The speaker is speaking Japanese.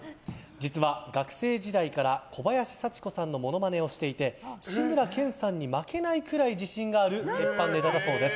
実は学生時代から小林幸子さんのモノマネをしていて志村けんさんに負けないくらい自信がある鉄板ネタだそうです。